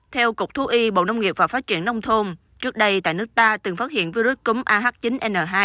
theo cục thu y bộ nông nghiệp và phát triển nông thôn trước đây tại nước ta từng phát hiện virus cúm ah chín n hai